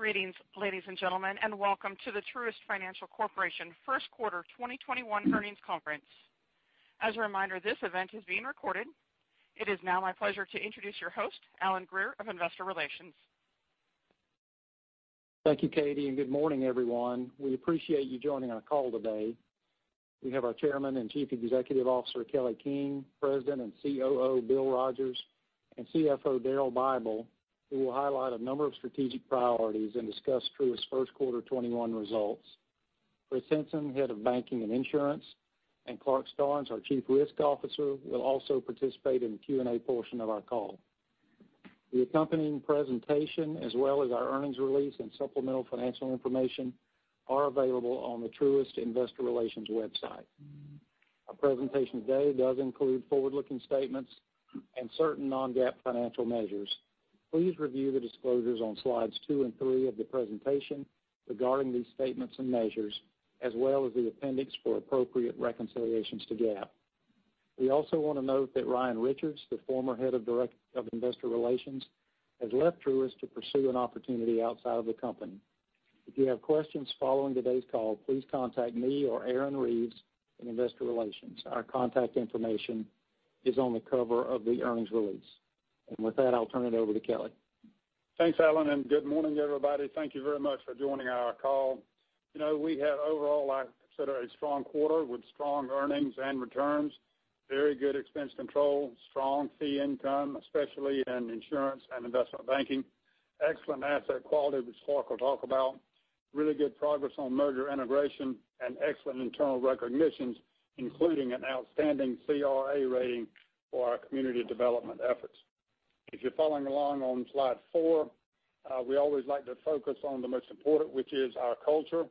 Greetings, ladies and gentlemen, and Welcome to the Truist Financial Corporation First Quarter 2021 Earnings Conference. As a reminder, this event is being recorded. It is now my pleasure to introduce your host, Alan Greer of investor relations. Thank you, Katie. Good morning, everyone. We appreciate you joining our call today. We have our Chairman and Chief Executive Officer, Kelly King, President and COO, Bill Rogers, and CFO, Daryl Bible, who will highlight a number of strategic priorities and discuss Truist's first quarter 2021 results. Chris Henson, Head of Banking and Insurance, and Clarke Starnes, our Chief Risk Officer, will also participate in the Q&A portion of our call. The accompanying presentation, as well as our earnings release and supplemental financial information, are available on the Truist Investor Relations website. Our presentation today does include forward-looking statements and certain non-GAAP financial measures. Please review the disclosures on slides two and three of the presentation regarding these statements and measures, as well as the appendix for appropriate reconciliations to GAAP. We also want to note that Ryan Richards, the former head of Investor Relations, has left Truist to pursue an opportunity outside of the company. If you have questions following today's call, please contact me or Aaron Reeves in Investor Relations. Our contact information is on the cover of the earnings release. With that, I'll turn it over to Kelly. Thanks, Alan, and good morning, everybody. Thank you very much for joining our call. We had overall, I consider, a strong quarter with strong earnings and returns, very good expense control, strong fee income, especially in insurance and investment banking. Excellent asset quality, which Clarke will talk about. Really good progress on merger integration and excellent internal recognitions, including an outstanding CRA rating for our community development efforts. If you're following along on slide four, we always like to focus on the most important, which is our culture.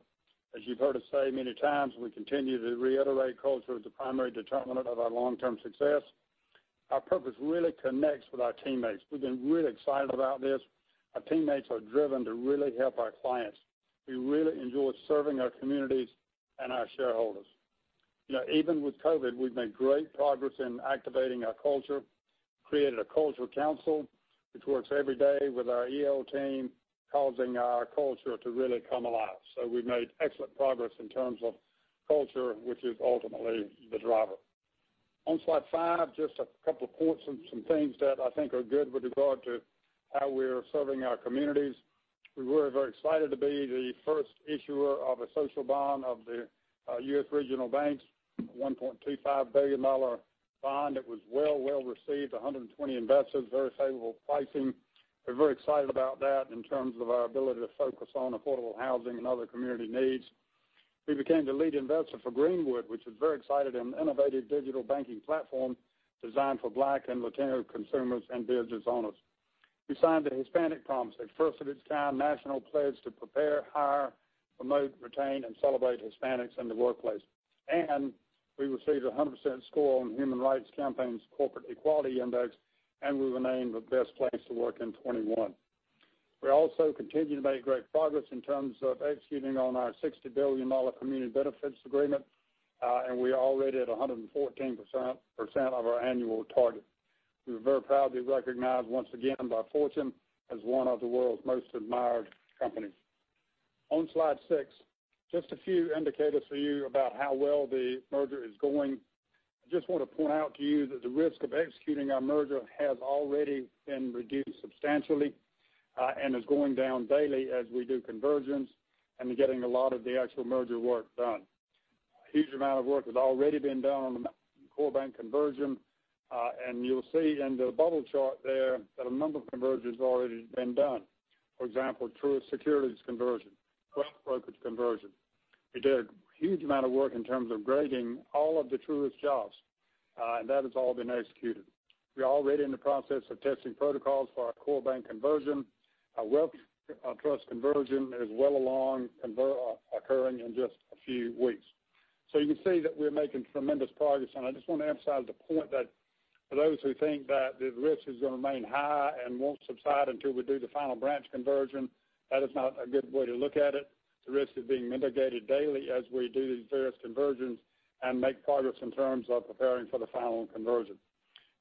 As you've heard us say many times, and we continue to reiterate, culture is the primary determinant of our long-term success. Our purpose really connects with our teammates. We've been really excited about this. Our teammates are driven to really help our clients. We really enjoy serving our communities and our shareholders. Even with COVID, we've made great progress in activating our culture. Created a cultural council, which works every day with our EL team, causing our culture to really come alive. We've made excellent progress in terms of culture, which is ultimately the driver. On slide five, just a couple of points on some things that I think are good with regard to how we're serving our communities. We were very excited to be the first issuer of a social bond of the U.S. regional banks, a $1.25 billion bond that was well received. 120 investors, very favorable pricing. We're very excited about that in terms of our ability to focus on affordable housing and other community needs. We became the lead investor for Greenwood, which is very excited, an innovative digital banking platform designed for Black and Latino consumers and business owners. We signed the Hispanic Promise, a first-of-its-kind national pledge to prepare, hire, promote, retain, and celebrate Hispanics in the workplace. We received a 100% score on Human Rights Campaign's Corporate Equality Index, and we were named a best place to work in 2021. We also continue to make great progress in terms of executing on our $60 billion community benefits agreement. We are already at 114% of our annual target. We were very proudly recognized once again by Fortune as one of the world's most admired companies. On slide six, just a few indicators for you about how well the merger is going. I just want to point out to you that the risk of executing our merger has already been reduced substantially, and is going down daily as we do convergence and getting a lot of the actual merger work done. A huge amount of work has already been done on the core bank conversion. You'll see in the bubble chart there that a number of conversions has already been done. For example, Truist Securities Conversion, Wealth Brokerage Conversion. We did a huge amount of work in terms of grading all of the Truist jobs, and that has all been executed. We're already in the process of testing protocols for our core bank conversion. Our wealth trust conversion is well along, occurring in just a few weeks. You can see that we're making tremendous progress, and I just want to emphasize the point that for those who think that the risk is going to remain high and won't subside until we do the final branch conversion, that is not a good way to look at it. The risk is being mitigated daily as we do these various convergences and make progress in terms of preparing for the final conversion.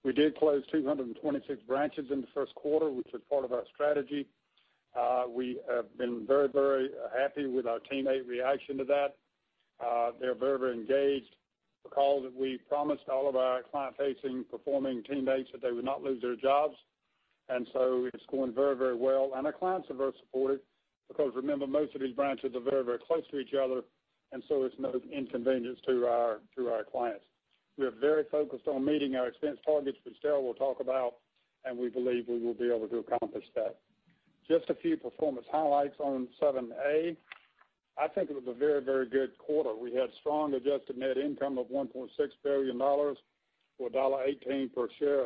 We did close 226 branches in the first quarter, which is part of our strategy. We have been very happy with our teammate reaction to that. They're very engaged because we promised all of our client-facing performing teammates that they would not lose their jobs. It's going very well. Our clients are very supportive because remember, most of these branches are very close to each other, and so it's no inconvenience to our clients. We are very focused on meeting our expense targets, which Daryl will talk about, and we believe we will be able to accomplish that. Just a few performance highlights on 7A. I think it was a very good quarter. We had strong adjusted net income of $1.6 billion, or $1.18 per share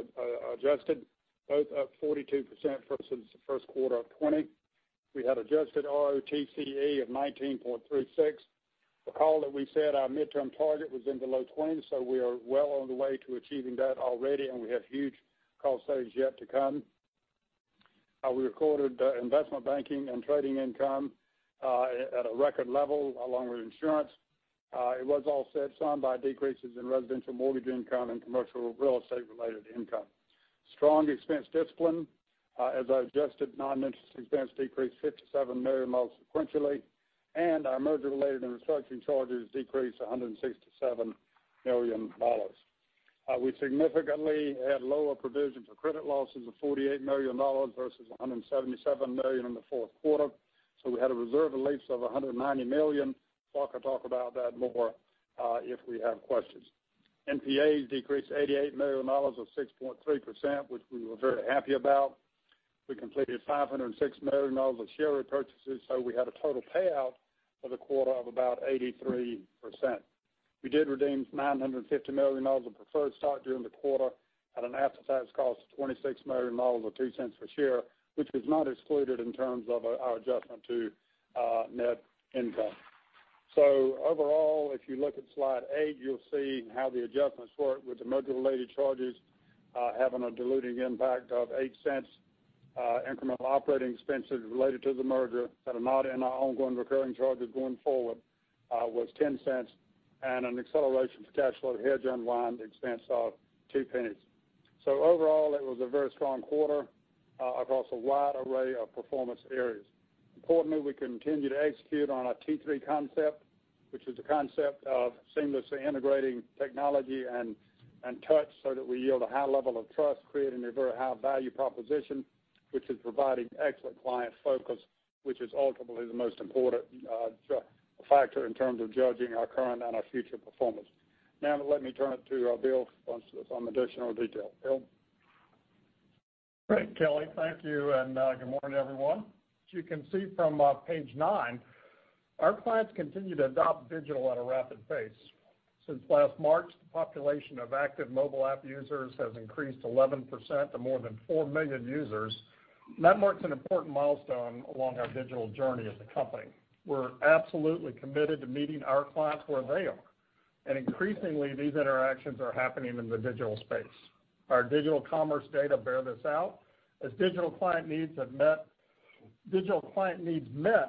adjusted, both up 42% since the first quarter of 2020. We had adjusted ROTCE of 19.36%. Recall that we said our midterm target was in the low 20s. We are well on the way to achieving that already, and we have huge cost savings yet to come. We recorded investment banking and trading income at a record level, along with insurance. It was offset some by decreases in residential mortgage income and commercial real estate related income. Strong expense discipline as our adjusted non-interest expense decreased $57 million sequentially, and our merger related and restructuring charges decreased $167 million. We significantly had lower provision for credit losses of $48 million versus $177 million in the fourth quarter. We had a reserve release of $190 million. Paul could talk about that more if we have questions. NPAs decreased $88 million or 6.3%, which we were very happy about. We completed $506 million of share repurchases, we had a total payout for the quarter of about 83%. We did redeem $950 million of preferred stock during the quarter at an after-tax cost of $26 million or $0.02 per share, which was not excluded in terms of our adjustment to net income. Overall, if you look at slide eight, you'll see how the adjustments work with the merger-related charges having a diluting impact of $0.08. Incremental operating expenses related to the merger that are not in our ongoing recurring charges going forward was $0.10, and an acceleration for cash flow hedge unwind expense of $0.02. Overall, it was a very strong quarter across a wide array of performance areas. Importantly, we continue to execute on our T3 concept, which is the concept of seamlessly integrating technology and touch so that we yield a high level of trust, creating a very high value proposition, which is providing excellent client focus, which is ultimately the most important factor in terms of judging our current and our future performance. Now let me turn it to Bill for some additional detail. Bill? Great, Kelly. Thank you, and good morning, everyone. As you can see from page nine, our clients continue to adopt digital at a rapid pace. Since last March, the population of active mobile app users has increased 11% to more than 4 million users. That marks an important milestone along our digital journey as a company. We're absolutely committed to meeting our clients where they are, and increasingly these interactions are happening in the digital space. Our digital commerce data bear this out. As digital client needs met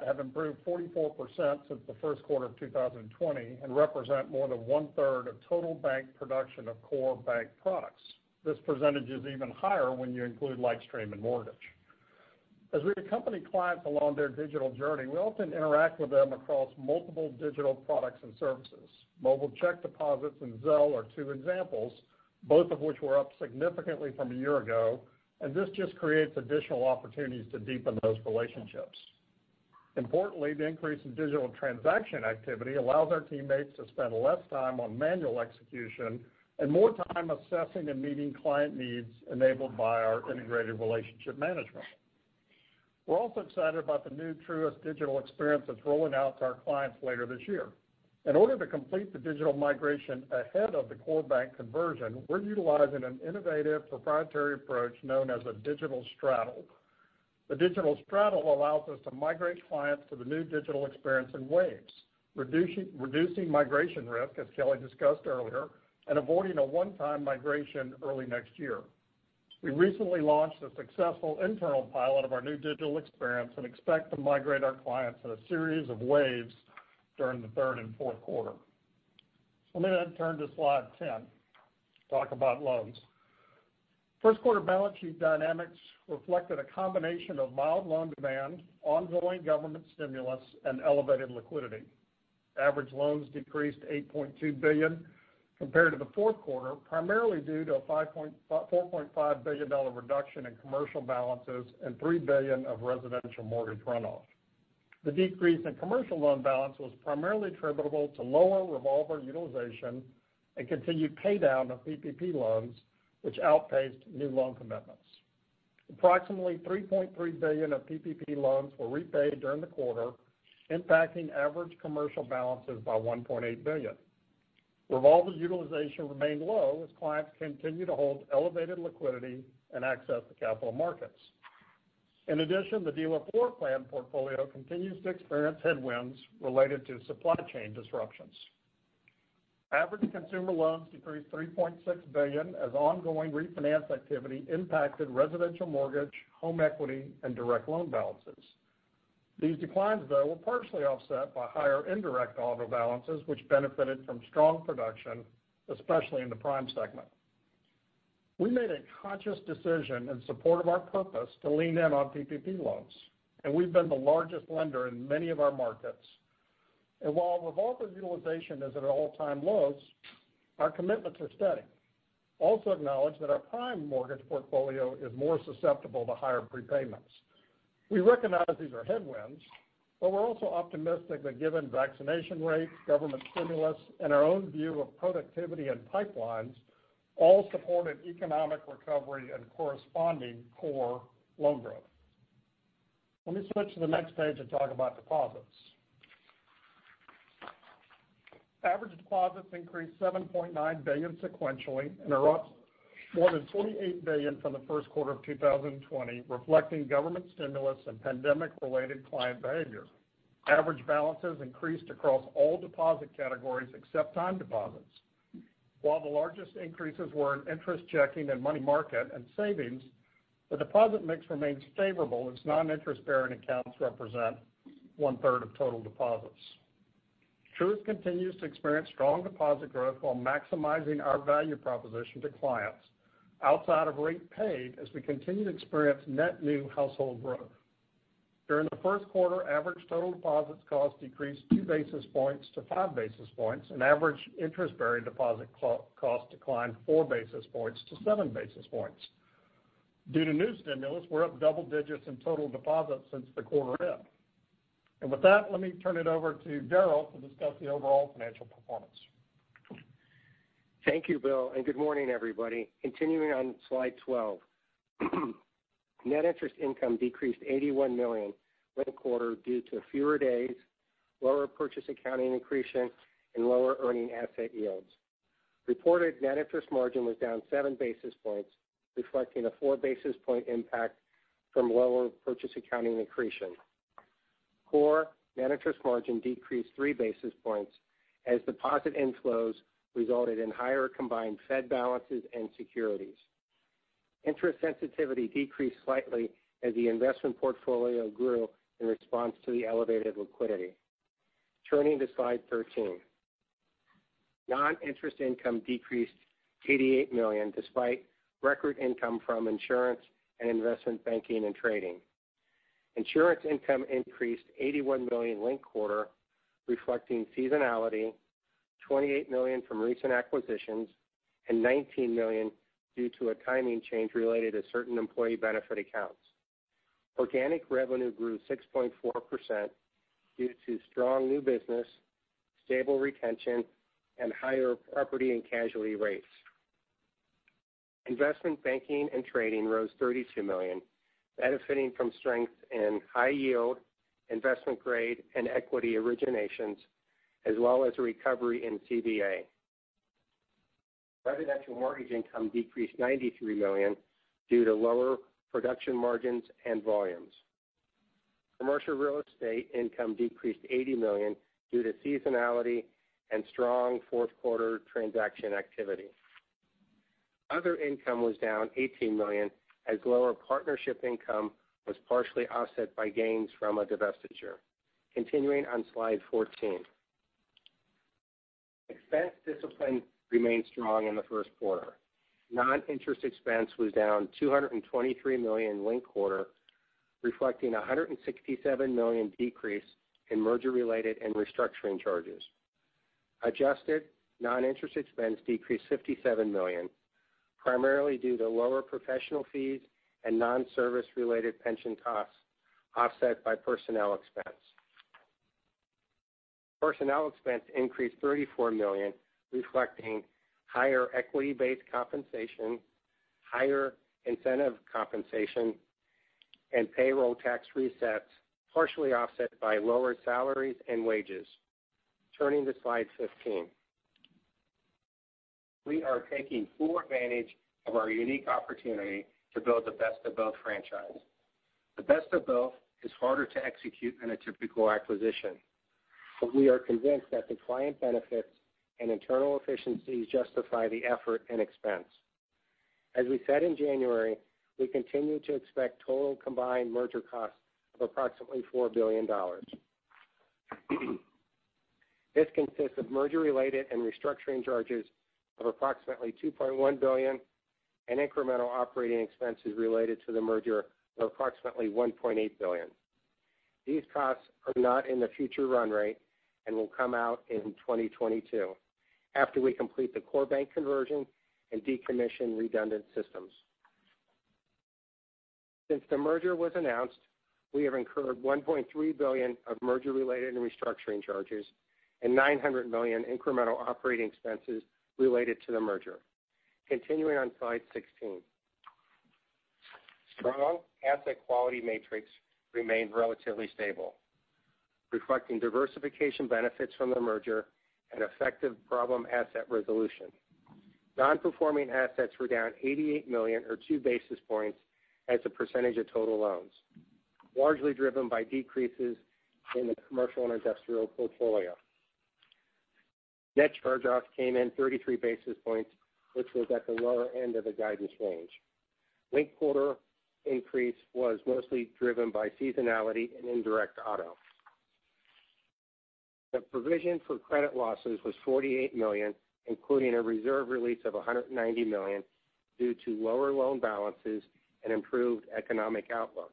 have improved 44% since the first quarter of 2020 and represent more than one-third of total bank production of core bank products. This percentage is even higher when you include LightStream and Mortgage. As we accompany clients along their digital journey, we often interact with them across multiple digital products and services. Mobile check deposits and Zelle are two examples, both of which were up significantly from a year ago. This just creates additional opportunities to deepen those relationships. Importantly, the increase in digital transaction activity allows our teammates to spend less time on manual execution and more time assessing and meeting client needs enabled by our Integrated Relationship Management. We're also excited about the new Truist digital experience that's rolling out to our clients later this year. In order to complete the digital migration ahead of the core bank conversion, we're utilizing an innovative proprietary approach known as a digital straddle. The digital straddle allows us to migrate clients to the new digital experience in waves, reducing migration risk, as Kelly discussed earlier, and avoiding a one-time migration early next year. We recently launched a successful internal pilot of our new digital experience and expect to migrate our clients in a series of waves during the third and fourth quarter. Let me now turn to slide 10 to talk about loans. First quarter balance sheet dynamics reflected a combination of mild loan demand, ongoing government stimulus, and elevated liquidity. Average loans decreased to $8.2 billion compared to the fourth quarter, primarily due to a $4.5 billion reduction in commercial balances and $3 billion of residential mortgage runoff. The decrease in commercial loan balance was primarily attributable to lower revolver utilization and continued pay down of PPP loans, which outpaced new loan commitments. Approximately $3.3 billion of PPP loans were repaid during the quarter, impacting average commercial balances by $1.8 billion. Revolver utilization remained low as clients continue to hold elevated liquidity and access to capital markets. In addition, the Dealer Floor Plan portfolio continues to experience headwinds related to supply chain disruptions. Average consumer loans decreased $3.6 billion as ongoing refinance activity impacted residential mortgage, home equity, and direct loan balances. These declines, though, were partially offset by higher indirect auto balances, which benefited from strong production, especially in the prime segment. We made a conscious decision in support of our purpose to lean in on PPP loans. We've been the largest lender in many of our markets. While revolver utilization is at an all-time lows, our commitments are steady. Also acknowledge that our prime mortgage portfolio is more susceptible to higher prepayments. We recognize these are headwinds. We're also optimistic that given vaccination rates, government stimulus, and our own view of productivity and pipelines all support an economic recovery and corresponding core loan growth. Let me switch to the next page and talk about deposits. Average deposits increased $7.9 billion sequentially and are up more than $28 billion from the first quarter of 2020, reflecting government stimulus and pandemic related client behavior. Average balances increased across all deposit categories except time deposits. While the largest increases were in interest checking and money market and savings. The deposit mix remains favorable as non-interest-bearing accounts represent one-third of total deposits. Truist continues to experience strong deposit growth while maximizing our value proposition to clients outside of rate paid as we continue to experience net new household growth. During the first quarter, average total deposits cost decreased 2 basis points to 5 basis points, and average interest-bearing deposit cost declined 4 basis points to 7 basis points. Due to new stimulus, we're up double digits in total deposits since the quarter end. With that, let me turn it over to Daryl to discuss the overall financial performance. Thank you, Bill. Good morning, everybody. Continuing on slide 12. Net interest income decreased $81 million linked quarter due to fewer days, lower purchase accounting accretion, and lower earning asset yields. Reported net interest margin was down 7 basis points, reflecting a 4 basis point impact from lower purchase accounting accretion. Core net interest margin decreased 3 basis points as deposit inflows resulted in higher combined Fed balances and securities. Interest sensitivity decreased slightly as the investment portfolio grew in response to the elevated liquidity. Turning to slide 13. Non-interest income decreased $88 million despite record income from insurance and investment banking and trading. Insurance income increased $81 million linked quarter, reflecting seasonality, $28 million from recent acquisitions, and $19 million due to a timing change related to certain employee benefit accounts. Organic revenue grew 6.4% due to strong new business, stable retention, and higher property and casualty rates. Investment banking and trading rose $32 million, benefiting from strength in high yield, investment grade, and equity originations, as well as a recovery in CVA. Residential mortgage income decreased $93 million due to lower production margins and volumes. Commercial real estate income decreased $80 million due to seasonality and strong fourth-quarter transaction activity. Other income was down $18 million as lower partnership income was partially offset by gains from a divestiture. Continuing on slide 14. Expense discipline remained strong in the first quarter. Non-interest expense was down $223 million linked quarter, reflecting a $167 million decrease in merger-related and restructuring charges. Adjusted non-interest expense decreased $57 million, primarily due to lower professional fees and non-service related pension costs, offset by personnel expense. Personnel expense increased $34 million, reflecting higher equity-based compensation, higher incentive compensation, and payroll tax resets, partially offset by lower salaries and wages. Turning to slide 15. We are taking full advantage of our unique opportunity to build the best of both franchise. The best of both is harder to execute than a typical acquisition, but we are convinced that the client benefits and internal efficiencies justify the effort and expense. As we said in January, we continue to expect total combined merger costs of approximately $4 billion. This consists of merger-related and restructuring charges of approximately $2.1 billion and incremental operating expenses related to the merger of approximately $1.8 billion. These costs are not in the future run rate and will come out in 2022 after we complete the core bank conversion and decommission redundant systems. Since the merger was announced, we have incurred $1.3 billion of merger-related and restructuring charges and $900 million incremental operating expenses related to the merger. Continuing on slide 16. Strong asset quality metrics remained relatively stable, reflecting diversification benefits from the merger and effective problem asset resolution. Non-performing assets were down $88 million or two basis points as a percentage of total loans, largely driven by decreases in the commercial and industrial portfolio. Net charge-offs came in 33 basis points, which was at the lower end of the guidance range. Linked-quarter increase was mostly driven by seasonality and indirect auto. The provision for credit losses was $48 million, including a reserve release of $190 million due to lower loan balances and improved economic outlook.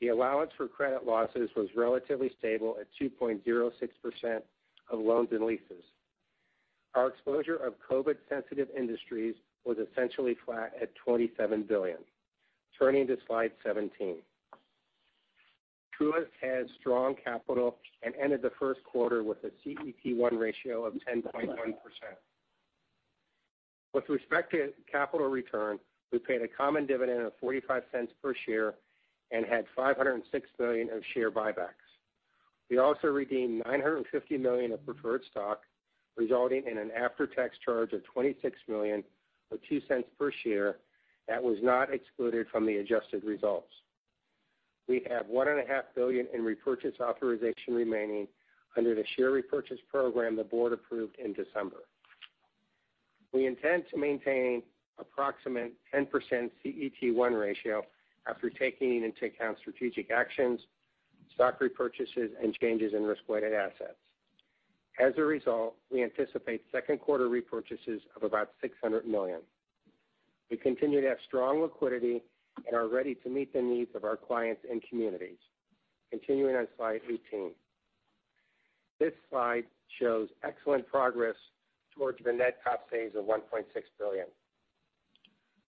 The allowance for credit losses was relatively stable at 2.06% of loans and leases. Our exposure of COVID-sensitive industries was essentially flat at $27 billion. Turning to slide 17. Truist has strong capital and ended the first quarter with a CET1 ratio of 10.1%. With respect to capital return, we paid a common dividend of $0.45 per share and had $506 million of share buybacks. We also redeemed $950 million of preferred stock, resulting in an after-tax charge of $26 million, or $0.02 per share, that was not excluded from the adjusted results. We have $1.5 billion in repurchase authorization remaining under the share repurchase program the board approved in December. We intend to maintain approximate 10% CET1 ratio after taking into account strategic actions, stock repurchases, and changes in risk-weighted assets. As a result, we anticipate second quarter repurchases of about $600 million. We continue to have strong liquidity and are ready to meet the needs of our clients and communities. Continuing on slide 18. This slide shows excellent progress towards the net cost savings of $1.6 billion.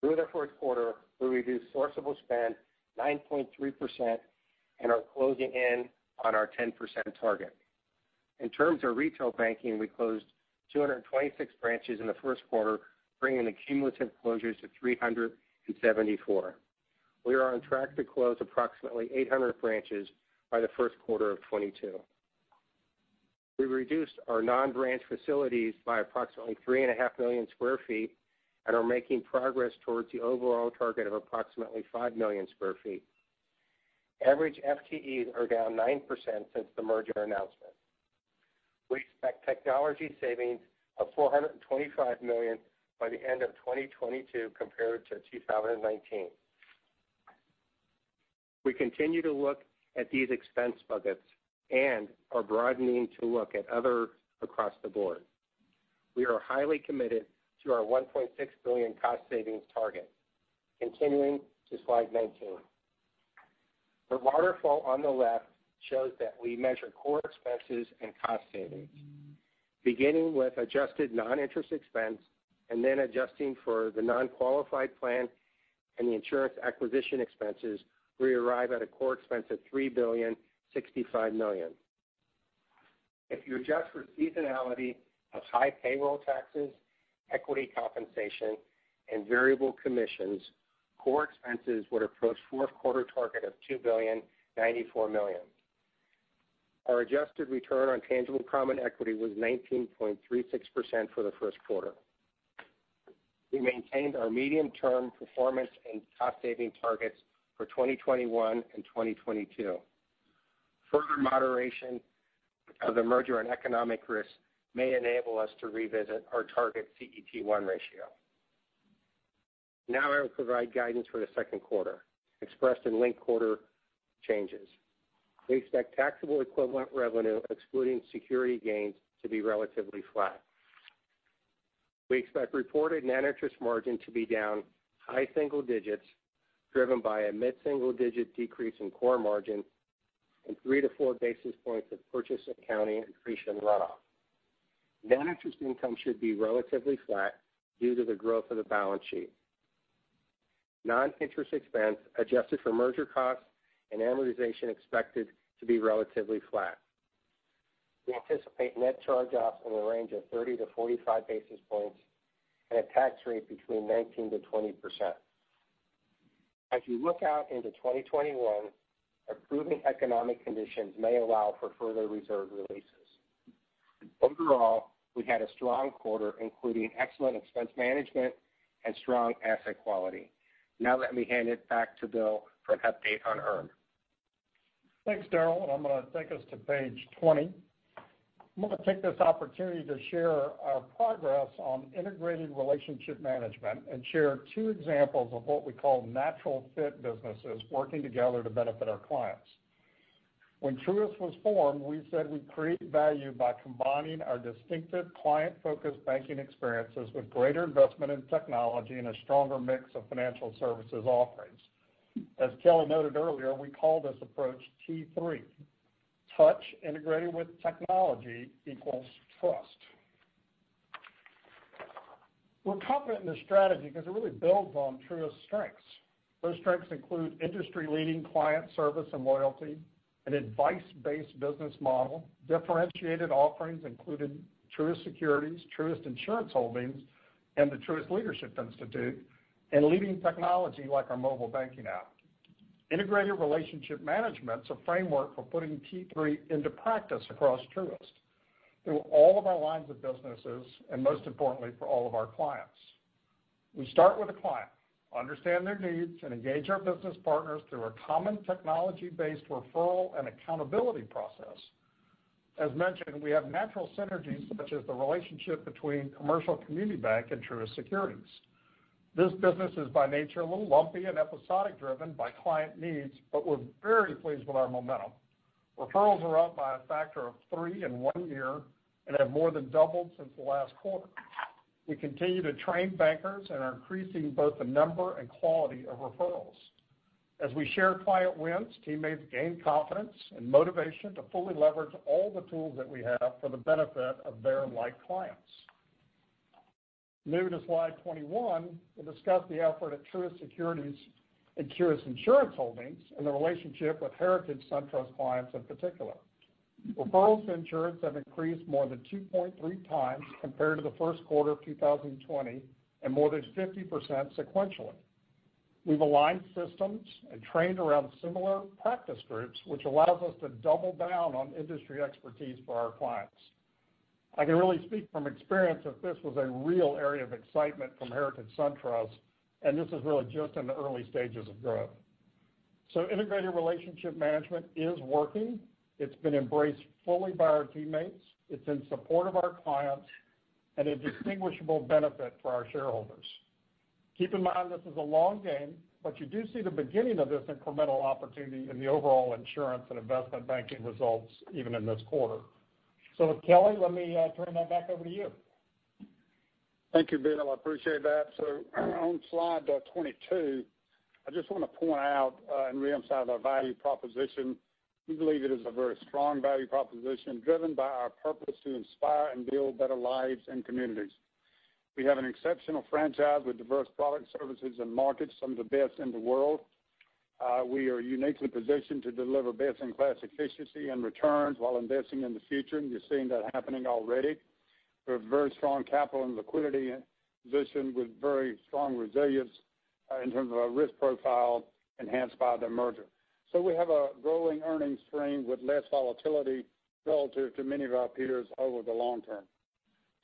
Through the first quarter, we reduced sourceable spend 9.3% and are closing in on our 10% target. In terms of our retail banking, we closed 226 branches in the first quarter, bringing the cumulative closures to 374. We are on track to close approximately 800 branches by the first quarter of 2022. We reduced our non-branch facilities by approximately 3.5 Million sq ft, and are making progress towards the overall target of approximately 5 million sq ft. Average FTEs are down 9% since the merger announcement. We expect technology savings of $425 million by the end of 2022 compared to 2019. We continue to look at these expense buckets and are broadening to look at other across the board. We are highly committed to our $1.6 billion cost savings target. Continuing to slide 19. The waterfall on the left shows that we measure core expenses and cost savings. Beginning with adjusted non-interest expense, and then adjusting for the non-qualified plan and the insurance acquisition expenses, we arrive at a core expense of $3 billion, $65 million. If you adjust for seasonality of high payroll taxes, equity compensation, and variable commissions, core expenses would approach fourth quarter target of $2.94 billion. Our adjusted return on tangible common equity was 19.36% for the first quarter. We maintained our medium-term performance and cost-saving targets for 2021 and 2022. Further moderation of the merger and economic risks may enable us to revisit our target CET1 ratio. Now I will provide guidance for the second quarter, expressed in linked quarter changes. We expect taxable equivalent revenue, excluding security gains, to be relatively flat. We expect reported net interest margin to be down high single digits, driven by a mid-single-digit decrease in core margin and 3-4 basis points of purchase accounting accretion runoff. Net interest income should be relatively flat due to the growth of the balance sheet. Non-interest expense, adjusted for merger costs and amortization expected to be relatively flat. We anticipate net charge-offs in the range of 30-45 basis points and a tax rate between 19%-20%. As we look out into 2021, improving economic conditions may allow for further reserve releases. Overall, we had a strong quarter, including excellent expense management and strong asset quality. Now let me hand it back to Bill for an update on IRM. Thanks, Daryl. I'm going to take us to page 20. I'm going to take this opportunity to share our progress on Integrated Relationship Management and share two examples of what we call natural fit businesses working together to benefit our clients. When Truist was formed, we said we'd create value by combining our distinctive client-focused banking experiences with greater investment in technology and a stronger mix of financial services offerings. As Kelly noted earlier, we call this approach T3. Touch integrated with technology equals trust. We're confident in this strategy because it really builds on Truist's strengths. Those strengths include industry-leading client service and loyalty, an advice-based business model, differentiated offerings including Truist Securities, Truist Insurance Holdings, and the Truist Leadership Institute, and leading technology like our mobile banking app. Integrated Relationship Management's a framework for putting T3 into practice across Truist through all of our lines of businesses, and most importantly, for all of our clients. We start with the client, understand their needs, and engage our business partners through a common technology-based referral and accountability process. As mentioned, we have natural synergies such as the relationship between Commercial Community Bank and Truist Securities. This business is by nature a little lumpy and episodic driven by client needs, but we're very pleased with our momentum. Referrals are up by a factor of three in one year and have more than doubled since the last quarter. We continue to train bankers and are increasing both the number and quality of referrals. As we share client wins, teammates gain confidence and motivation to fully leverage all the tools that we have for the benefit of their like clients. Moving to slide 21, we'll discuss the effort at Truist Securities and Truist Insurance Holdings and the relationship with Heritage SunTrust clients in particular. Referrals to insurance have increased more than 2.3x compared to the first quarter of 2020 and more than 50% sequentially. We've aligned systems and trained around similar practice groups, which allows us to double down on industry expertise for our clients. I can really speak from experience that this was a real area of excitement from Heritage SunTrust, and this is really just in the early stages of growth. Integrated Relationship Management is working. It's been embraced fully by our teammates. It's in support of our clients and a distinguishable benefit for our shareholders. Keep in mind, this is a long game, but you do see the beginning of this incremental opportunity in the overall insurance and investment banking results even in this quarter. With Kelly, let me turn that back over to you. Thank you, Bill. I appreciate that. On slide 22, I just want to point out and reemphasize our value proposition. We believe it is a very strong value proposition driven by our purpose to inspire and build better lives and communities. We have an exceptional franchise with diverse products, services, and markets, some of the best in the world. We are uniquely positioned to deliver best-in-class efficiency and returns while investing in the future, and you're seeing that happening already. We have very strong capital and liquidity position with very strong resilience in terms of our risk profile enhanced by the merger. We have a growing earnings stream with less volatility relative to many of our peers over the long term.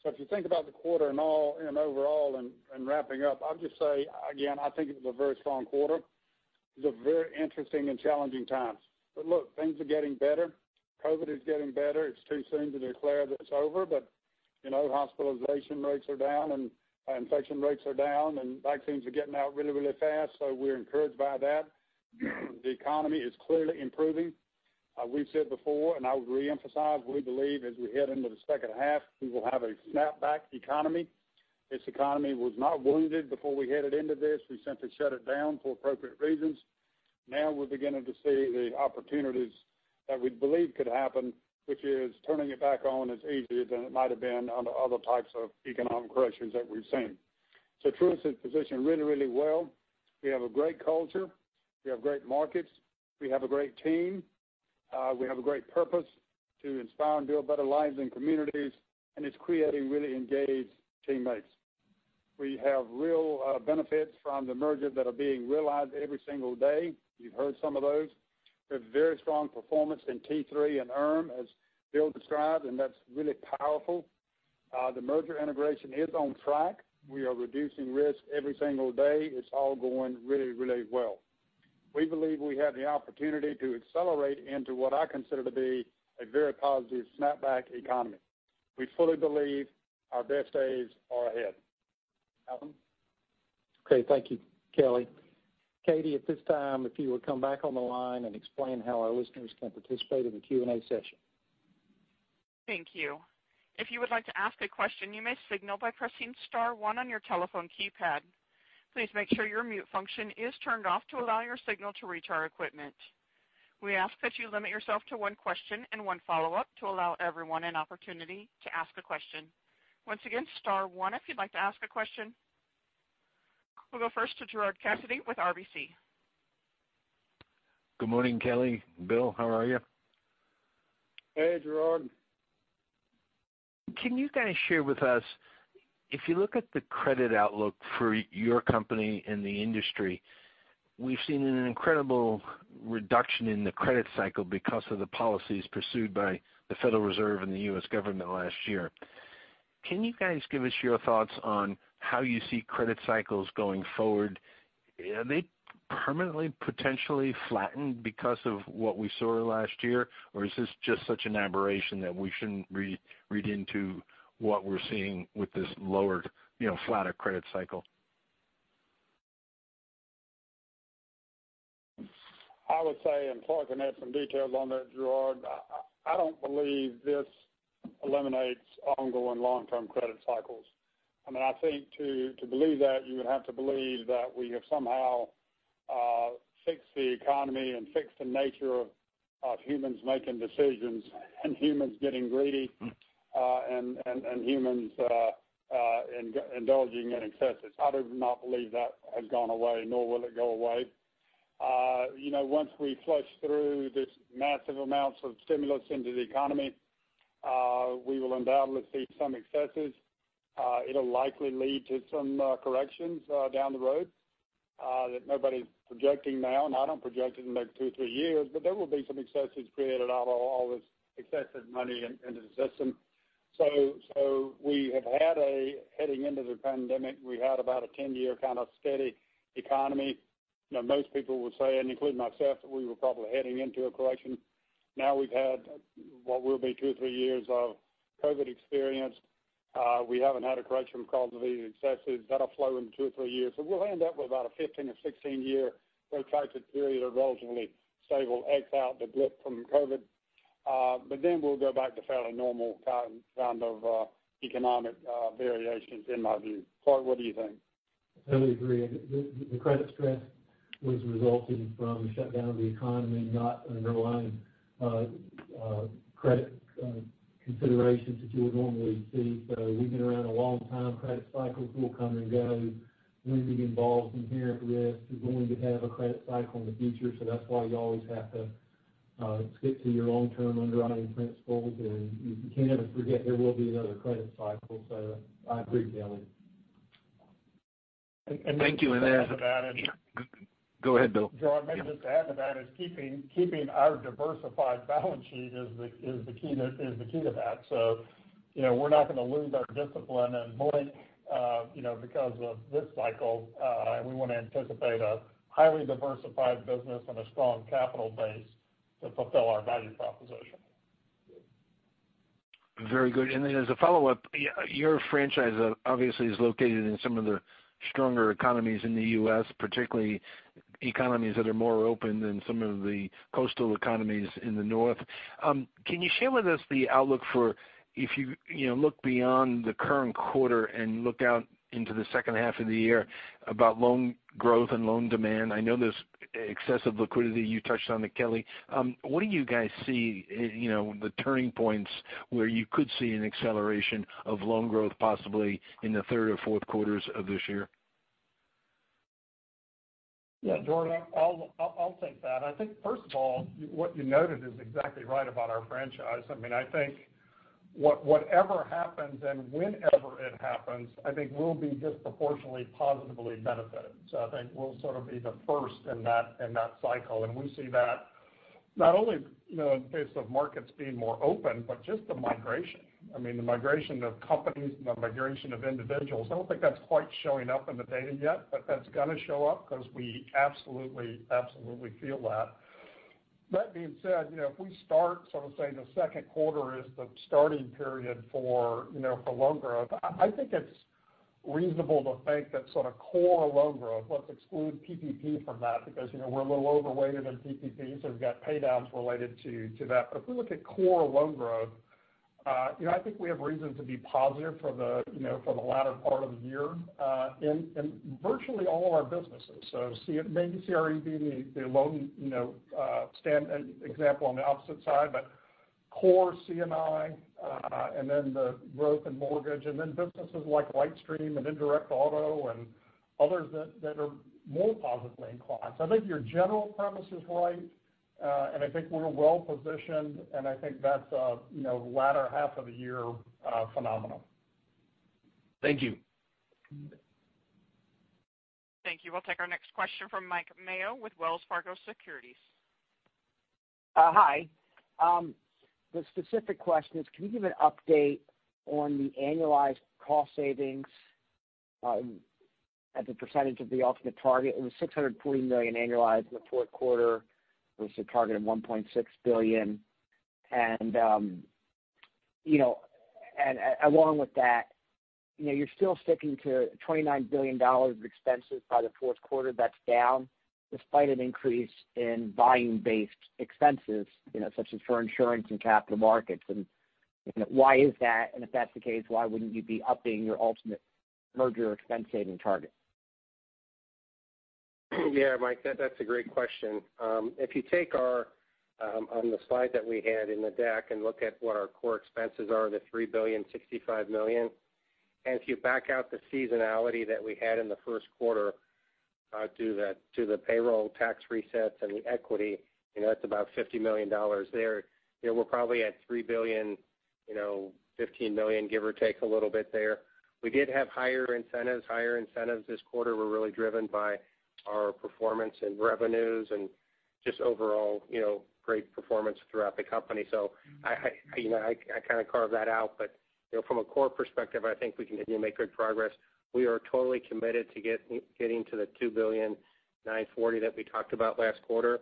If you think about the quarter in overall and wrapping up, I'll just say again, I think it was a very strong quarter. These are very interesting and challenging times. Look, things are getting better. COVID is getting better. It's too soon to declare that it's over, but hospitalization rates are down and infection rates are down, and vaccines are getting out really fast. We're encouraged by that. The economy is clearly improving. We've said before, and I would reemphasize, we believe as we head into the second half, we will have a snapback economy. This economy was not wounded before we headed into this. We simply shut it down for appropriate reasons. Now we're beginning to see the opportunities that we believe could happen, which is turning it back on is easier than it might have been under other types of economic pressures that we've seen. Truist is positioned really well. We have a great culture. We have great markets. We have a great team. We have a great purpose to inspire and build better lives and communities, and it's creating really engaged teammates. We have real benefits from the merger that are being realized every single day. You've heard some of those. We have very strong performance in T3 and IRM, as Bill described, and that's really powerful. The merger integration is on track. We are reducing risk every single day. It's all going really well. We believe we have the opportunity to accelerate into what I consider to be a very positive snapback economy. We fully believe our best days are ahead. Alan? Okay. Thank you, Kelly. Katie, at this time, if you would come back on the line and explain how our listeners can participate in the Q&A session. Thank you. If you would like to ask a question, you may signal by pressing star one on your telephone keypad. Please make sure your mute function is turned off to allow your signal to reach our equipment. We ask that you limit yourself to one question and one follow-up to allow everyone an opportunity to ask a question. Once again, star one if you'd like to ask a question. We'll go first to Gerard Cassidy with RBC Capital Markets. Good morning, Kelly, Bill. How are you? Hey, Gerard. Can you guys share with us, if you look at the credit outlook for your company and the industry, we've seen an incredible reduction in the credit cycle because of the policies pursued by the Federal Reserve and the U.S. government last year. Can you guys give us your thoughts on how you see credit cycles going forward? Are they permanently potentially flattened because of what we saw last year? Is this just such an aberration that we shouldn't read into what we're seeing with this lowered, flatter credit cycle? I would say, and Clarke can add some details on that, Gerard, I don't believe this eliminates ongoing long-term credit cycles. I think to believe that, you would have to believe that we have somehow fixed the economy and fixed the nature of humans making decisions and humans getting greedy, and humans indulging in excesses. I do not believe that has gone away, nor will it go away. Once we flush through this massive amounts of stimulus into the economy we will undoubtedly see some excesses. It'll likely lead to some corrections down the road that nobody's projecting now, and I don't project it in the next two, three years, but there will be some excesses created out of all this excessive money into the system. Heading into the pandemic, we had about a 10-year steady economy. Most people would say, and including myself, that we were probably heading into a correction. We've had what will be two or three years of COVID experience. We haven't had a correction because of these excesses that'll flow in two or three years. We'll end up with about a 15 or 16-year pro-cyclist period eventually. We'll X out the blip from COVID. We'll go back to fairly normal kind of economic variations in my view. Clarke, what do you think? I totally agree. The credit stress was resulting from the shutdown of the economy, not underlying credit considerations that you would normally see. We've been around a long time. Credit cycles will come and go. When you get involved in inherent risk, you're going to have a credit cycle in the future. That's why you always have to stick to your long-term underwriting principles, and you can't ever forget there will be another credit cycle. I agree with Kelly. Thank you. Just to add to that. Go ahead, Bill. Gerard, maybe just to add to that is keeping our diversified balance sheet is the key to that. We're not going to lose our discipline and blink because of this cycle. We want to anticipate a highly diversified business and a strong capital base to fulfill our value proposition. Very good. As a follow-up, your franchise obviously is located in some of the stronger economies in the U.S., particularly economies that are more open than some of the coastal economies in the north. Can you share with us the outlook for if you look beyond the current quarter and look out into the second half of the year about loan growth and loan demand? I know there's excessive liquidity. You touched on it, Kelly. What do you guys see the turning points where you could see an acceleration of loan growth possibly in the third or fourth quarters of this year? Yeah, Gerard, I'll take that. I think first of all, what you noted is exactly right about our franchise. I think whatever happens and whenever it happens, I think we'll be disproportionately positively benefited. I think we'll sort of be the first in that cycle. We see that not only in the case of markets being more open, but just the migration. The migration of companies and the migration of individuals. I don't think that's quite showing up in the data yet, but that's going to show up because we absolutely feel that. That being said, if we start sort of saying the second quarter is the starting period for loan growth, I think it's reasonable to think that sort of core loan growth, let's exclude PPP from that because we're a little overweighted in PPP, so we've got pay-downs related to that. If we look at core loan growth, I think we have reason to be positive for the latter part of the year in virtually all of our businesses. Maybe CRE being the loan example on the opposite side, but core C&I, and then the growth in mortgage, and then businesses like LightStream and indirect auto and others that are more positively inclined. I think your general premise is right. I think we're well-positioned, and I think that's a latter half of the year phenomenon. Thank you. Thank you. We'll take our next question from Mike Mayo with Wells Fargo Securities. Hi. The specific question is, can you give an update on the annualized cost savings at the percentage of the ultimate target? It was $640 million annualized in the fourth quarter versus a target of $1.6 billion. Along with that, you're still sticking to $29 billion of expenses by the fourth quarter. That's down despite an increase in volume-based expenses such as for insurance and capital markets. Why is that? If that's the case, why wouldn't you be updating your ultimate merger expense saving target? Yeah, Mike, that's a great question. If you take on the slide that we had in the deck and look at what our core expenses are, the $3.065 billion. If you back out the seasonality that we had in the first quarter due to the payroll tax resets and the equity, that's about $50 million there. We're probably at $3.015 billion, give or take a little bit there. We did have higher incentives. Higher incentives this quarter were really driven by our performance and revenues and just overall great performance throughout the company. I kind of carve that out. From a core perspective, I think I continue to make good progress. We are totally committed to getting to the $2.940 billion that we talked about last quarter.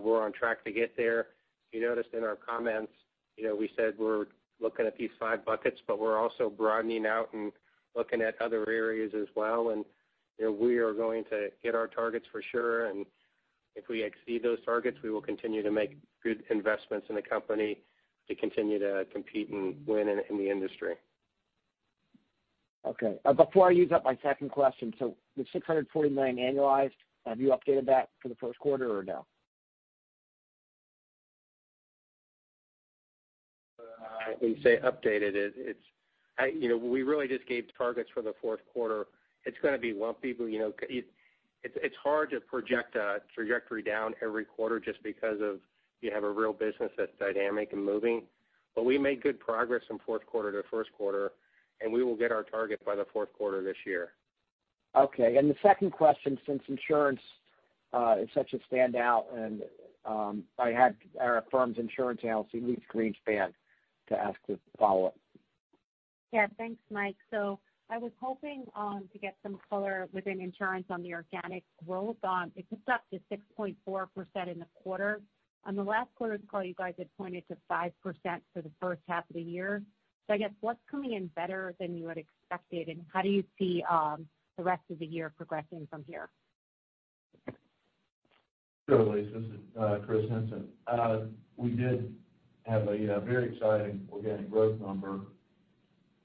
We're on track to get there. You noticed in our comments, we said we're looking at these five buckets, but we're also broadening out and looking at other areas as well. We are going to hit our targets for sure. If we exceed those targets, we will continue to make good investments in the company to continue to compete and win in the industry. Okay. Before I use up my second question, the $640 million annualized, have you updated that for the first quarter or no? I wouldn't say updated. We really just gave targets for the fourth quarter. It's going to be lumpy. It's hard to project a trajectory down every quarter just because of you have a real business that's dynamic and moving. We made good progress from fourth quarter to first quarter, and we will get our target by the fourth quarter this year. Okay. The second question, since insurance is such a standout, and I had our firm's insurance analyst, Elyse Greenspan, to ask this follow-up. Yeah, thanks, Mike. I was hoping to get some color within insurance on the organic growth. It was up to 6.4% in the quarter. On the last quarter's call, you guys had pointed to 5% for the first half of the year. I guess what's coming in better than you had expected, and how do you see the rest of the year progressing from here? Sure, Elyse. This is Chris Henson. We did have a very exciting organic growth number.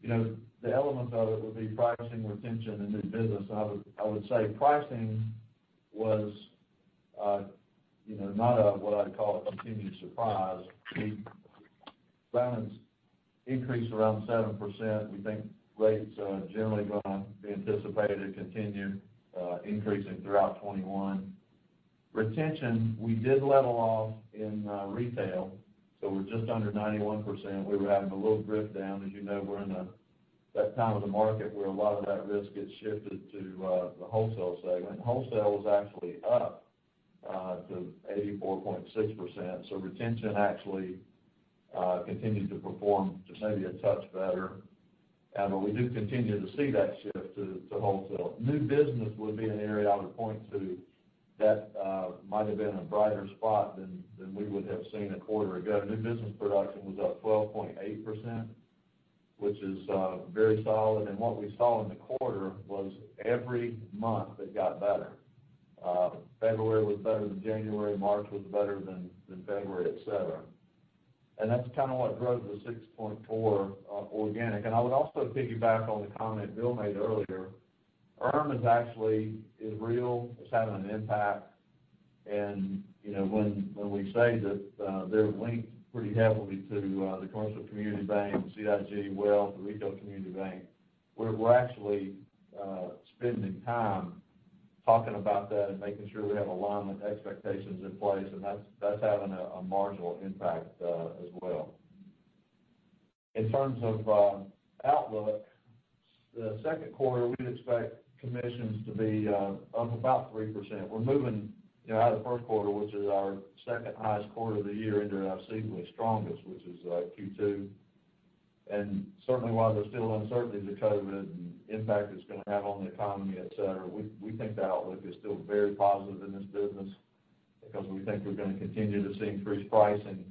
The elements of it would be pricing, retention, and new business. I would say pricing was not what I'd call a continued surprise. Balance increased around 7%. We think rates are generally going to be anticipated to continue increasing throughout 2021. Retention, we did level off in retail, so we're just under 91%. We were having a little drift down. As you know, we're in that time of the market where a lot of that risk gets shifted to the wholesale segment. Wholesale was actually up to 84.6%, so retention actually continued to perform just maybe a touch better. We do continue to see that shift to wholesale. New business would be an area I would point to that might have been a brighter spot than we would have seen a quarter ago. New business production was up 12.8%, which is very solid. What we saw in the quarter was every month, it got better. February was better than January, March was better than February, et cetera. That's what drove the 6.4 organic. I would also piggyback on the comment Bill made earlier. IRM is actually real, it's having an impact. When we say that they're linked pretty heavily to the Commercial Community Bank, CIG, Wealth, the Retail Community Bank, where we're actually spending time talking about that and making sure we have alignment expectations in place, that's having a marginal impact as well. In terms of outlook, the second quarter, we'd expect commissions to be up about 3%. We're moving out of the first quarter, which is our second-highest quarter of the year into our seasonally strongest, which is Q2. Certainly, while there's still uncertainty with COVID and the impact it's going to have on the economy, et cetera, we think the outlook is still very positive in this business because we think we're going to continue to see increased pricing.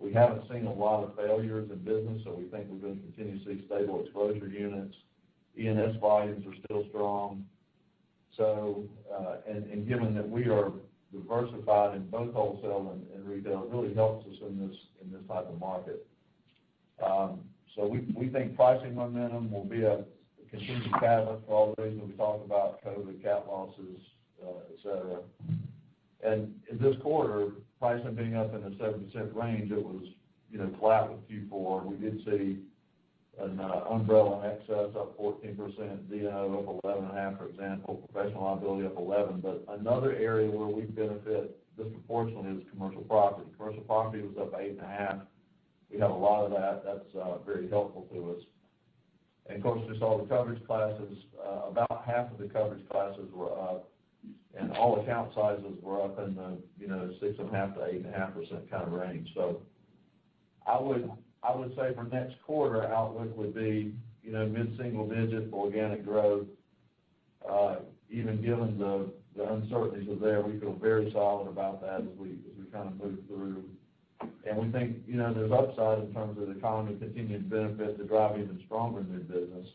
We haven't seen a lot of failures in business, so we think we're going to continue to see stable exposure units. E&S volumes are still strong. Given that we are diversified in both wholesale and retail, it really helps us in this type of market. We think pricing momentum will be a continued catalyst for all the reasons we talked about, COVID, cat losses, et cetera. In this quarter, pricing being up in the $0.70 range, it was flat with Q4. We did see an umbrella in excess, up 14%, D&O up 11.5%, for example, professional liability up 11%. Another area where we benefit disproportionately is commercial property. Commercial property was up 8.5%. We have a lot of that. That's very helpful to us. Of course, we saw the coverage classes. About half of the coverage classes were up, and all account sizes were up in the 6.5%-8.5% kind of range. I would say for next quarter, outlook would be mid-single digit for organic growth. Even given the uncertainties are there, we feel very solid about that as we move through. We think there's upside in terms of the economy's continued benefit to drive even stronger new business.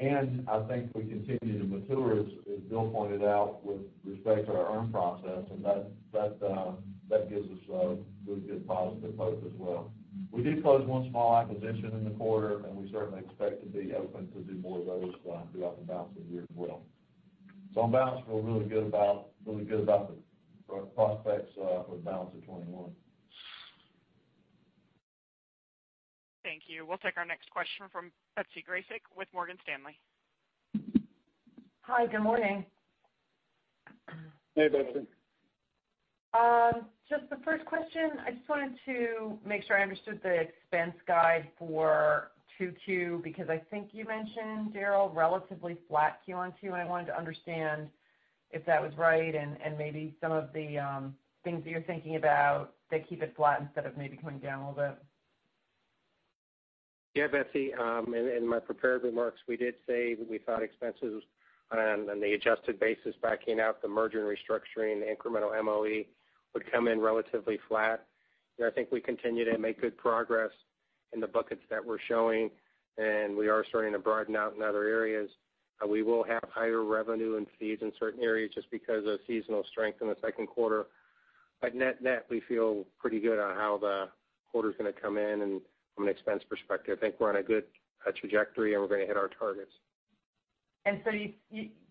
I think we continue to mature, as Bill pointed out, with respect to our IRM process, and that gives us a really good positive hope as well. We did close one small acquisition in the quarter. We certainly expect to be open to do more of those throughout the balance of the year as well. I'm really good about the growth prospects for the balance of 2021. Thank you. We'll take our next question from Betsy Graseck with Morgan Stanley. Hi, good morning. Hey, Betsy. Just the first question, I just wanted to make sure I understood the expense guide for Q2 because I think you mentioned, Daryl, relatively flat Q-on-Q. I wanted to understand if that was right and maybe some of the things that you're thinking about that keep it flat instead of maybe coming down a little bit? Betsy. In my prepared remarks, we did say we thought expenses on the adjusted basis, backing out the merger and restructuring, the incremental MOE would come in relatively flat. I think we continue to make good progress in the buckets that we're showing, and we are starting to broaden out in other areas. We will have higher revenue and fees in certain areas just because of seasonal strength in the second quarter. Net-net, we feel pretty good on how the quarter's going to come in from an expense perspective. I think we're on a good trajectory, and we're going to hit our targets.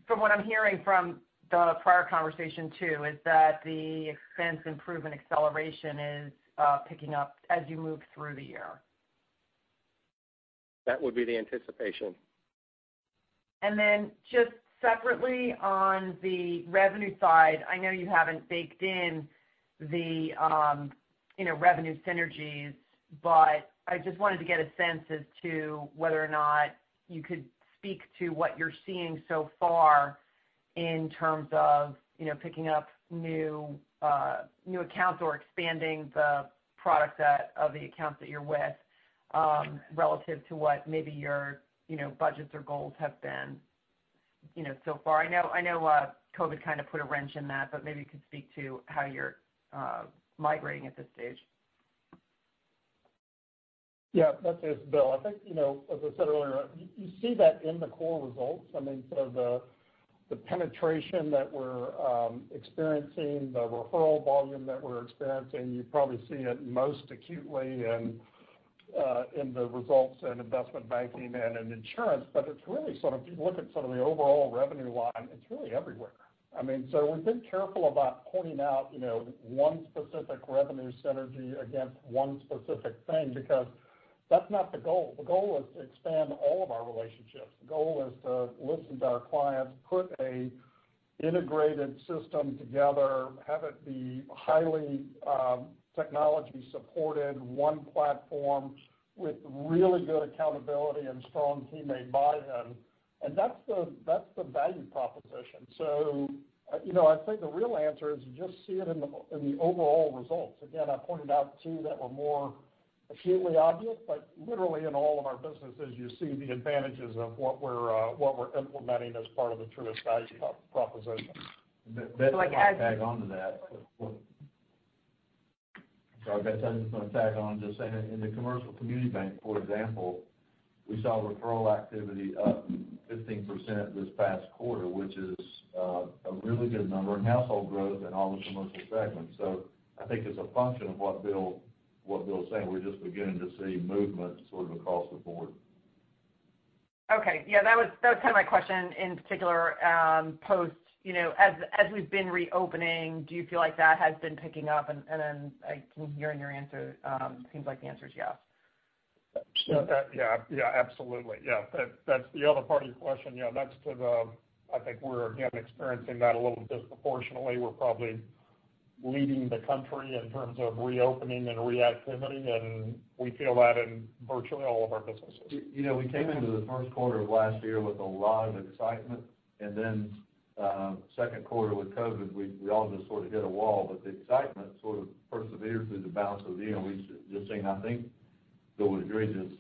From what I'm hearing from the prior conversation too, is that the expense improvement acceleration is picking up as you move through the year? That would be the anticipation. Just separately on the revenue side, I know you haven't baked in the revenue synergies, but I just wanted to get a sense as to whether or not you could speak to what you're seeing so far in terms of picking up new accounts or expanding the product set of the accounts that you're with relative to what maybe your budgets or goals have been so far. I know COVID put a wrench in that, but maybe you could speak to how you're migrating at this stage. Yeah, Betsy, it's Bill. I think, as I said earlier, you see that in the core results. I mean, the penetration that we're experiencing, the referral volume that we're experiencing, you probably see it most acutely in the results in investment banking and in insurance. It's really, if you look at some of the overall revenue line, it's really everywhere. I mean, we've been careful about pointing out one specific revenue synergy against one specific thing because that's not the goal. The goal is to expand all of our relationships. The goal is to listen to our clients, put an integrated system together, have it be highly technology-supported, one platform with really good accountability and strong teammate buy-in. That's the value proposition. I think the real answer is you just see it in the overall results. Again, I pointed out two that were more acutely obvious, but literally in all of our businesses, you see the advantages of what we're implementing as part of the Truist value proposition. Betsy, can I tag onto that? Sorry, Betsy, I'm just going to tag on just saying in the Commercial Community Bank, for example, we saw referral activity up 15% this past quarter, which is a really good number in household growth in all the commercial segments. I think as a function of what Bill's saying, we're just beginning to see movement sort of across the board. Okay. Yeah, that was kind of my question in particular post, as we've been reopening, do you feel like that has been picking up? I can hear in your answer, seems like the answer is yes. Yeah, absolutely. That's the other part of your question. I think we're, again, experiencing that a little disproportionally. We're probably leading the country in terms of reopening and reactivity, and we feel that in virtually all of our businesses. We came into the first quarter of last year with a lot of excitement, and then second quarter with COVID, we all just sort of hit a wall. The excitement sort of persevered through the balance of the year. We've just seen, I think, what would agree is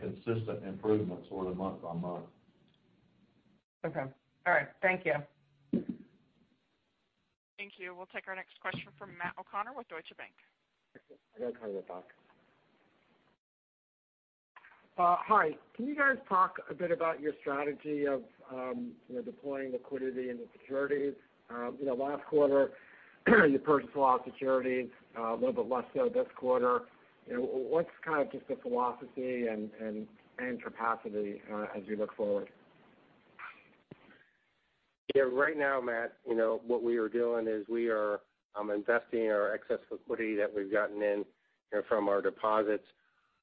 consistent improvement sort of month-on-month. Okay. All right. Thank you. Thank you. We'll take our next question from Matt O'Connor with Deutsche Bank. I've got to call you back. Hi, can you guys talk a bit about your strategy of deploying liquidity into securities? Last quarter you purchased a lot of securities, a little bit less so this quarter. What's kind of just the philosophy and capacity as we look forward? Yeah. Right now, Matt, what we are doing is we are investing our excess liquidity that we've gotten in from our deposits,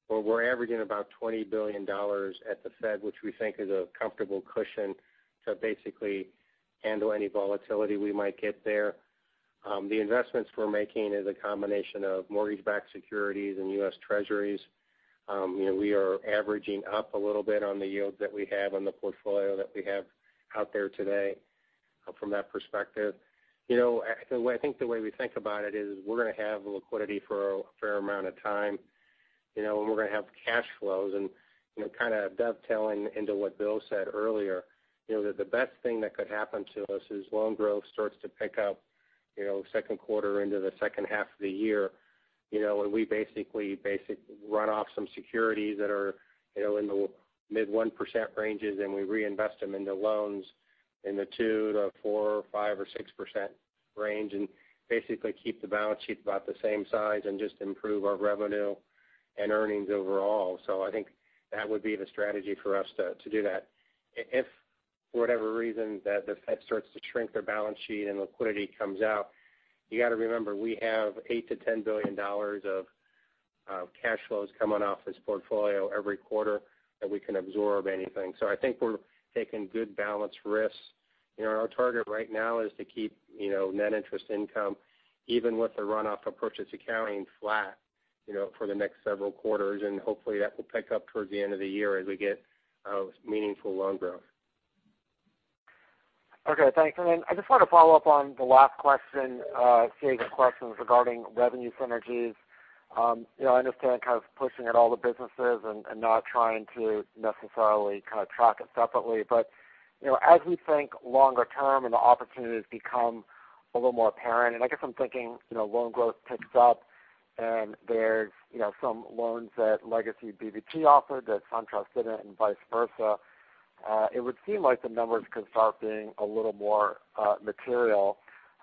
where we're averaging about $20 billion at the Fed, which we think is a comfortable cushion to basically handle any volatility we might get there. The investments we're making is a combination of mortgage-backed securities and U.S. Treasuries. We are averaging up a little bit on the yields that we have on the portfolio that we have out there today from that perspective. I think the way we think about it is we're going to have liquidity for a fair amount of time, and we're going to have cash flows and kind of dovetailing into what Bill said earlier, that the best thing that could happen to us is loan growth starts to pick up second quarter into the second half of the year. When we basically run off some securities that are in the mid 1% ranges, and we reinvest them into loans in the 2%-4% or 5% or 6% range and basically keep the balance sheet about the same size and just improve our revenue and earnings overall. I think that would be the strategy for us to do that. If for whatever reason that the Fed starts to shrink their balance sheet and liquidity comes out, you got to remember, we have $8 billion-$10 billion of cash flows coming off this portfolio every quarter that we can absorb anything. I think we're taking good balanced risks. Our target right now is to keep net interest income, even with the runoff of purchase accounting flat for the next several quarters. Hopefully, that will pick up towards the end of the year as we get meaningful loan growth. Okay, thanks. I just want to follow up on the last question, Sage's questions regarding revenue synergies. I understand kind of pushing at all the businesses and not trying to necessarily kind of track it separately. As we think longer term and the opportunities become a little more apparent, and I guess I'm thinking loan growth picks up and there's some loans that legacy BB&T offered that SunTrust didn't and vice versa. It would seem like the numbers could start being a little more material.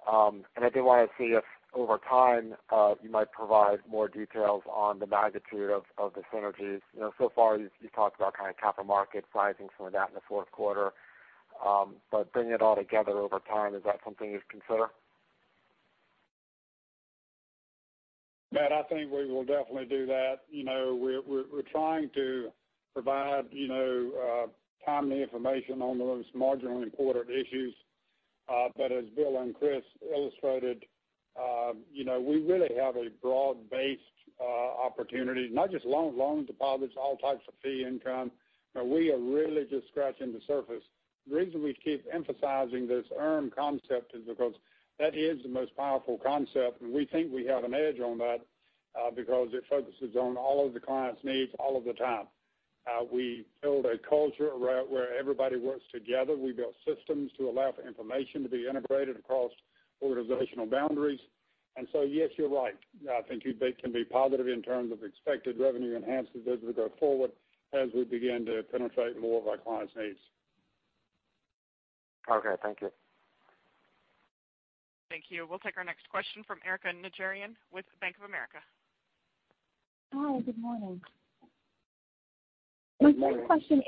I did want to see if over time, you might provide more details on the magnitude of the synergies. So far, you've talked about kind of capital markets rising some of that in the fourth quarter. Bringing it all together over time, is that something you'd consider? Matt, I think we will definitely do that. We're trying to provide timely information on those marginally important issues. As Bill and Chris illustrated, we really have a broad-based opportunity. Not just loans, deposits, all types of fee income. We are really just scratching the surface. The reason we keep emphasizing this IRM concept is because that is the most powerful concept, and we think we have an edge on that because it focuses on all of the client's needs all of the time. We build a culture where everybody works together. We build systems to allow for information to be integrated across organizational boundaries. Yes, you're right. I think you can be positive in terms of expected revenue enhances as we go forward, as we begin to penetrate more of our clients' needs. Okay. Thank you. Thank you. We'll take our next question from Erika Najarian with Bank of America. Hi, good morning. My second question,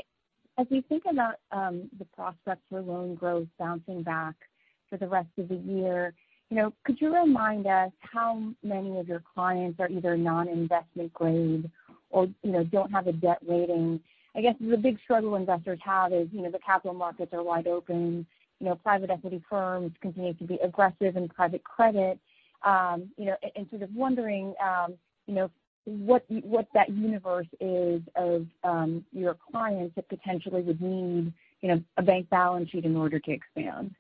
as we think about the prospects for loan growth bouncing back for the rest of the year, could you remind us how many of your clients are either non-investment grade or don't have a debt rating? I guess the big struggle investors have is the capital markets are wide open. Private equity firms continue to be aggressive in private credit. Sort of wondering what that universe is of your clients that potentially would need a bank balance sheet in order to expand.